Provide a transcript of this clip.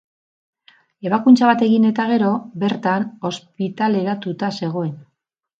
Ebakuntza bat egin eta gero, bertan ospitaleratuta zegoen.